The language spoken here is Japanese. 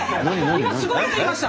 今すごいこと言いました。